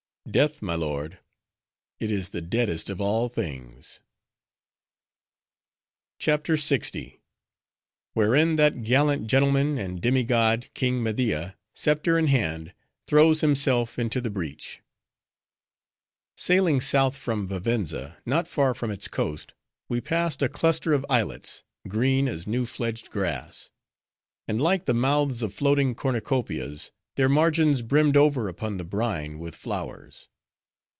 "Death, my lord!—it is the deadest of all things." CHAPTER LX. Wherein, That Gallant Gentleman And Demi God, King Media, Scepter In Hand, Throws Himself Into The Breach Sailing south from Vivenza, not far from its coast, we passed a cluster of islets, green as new fledged grass; and like the mouths of floating cornucopias, their margins brimmed over upon the brine with flowers.